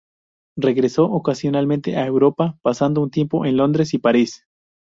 Regresó ocasionalmente a Europa, pasando un tiempo en Londres y París.